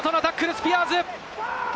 スピアーズ。